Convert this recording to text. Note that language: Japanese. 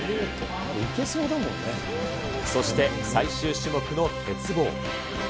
そして最終種目の鉄棒。